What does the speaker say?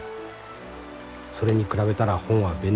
それに比べたら本は便利すぎる。